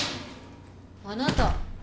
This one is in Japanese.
あなた。